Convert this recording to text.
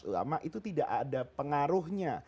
ulama itu tidak ada pengaruhnya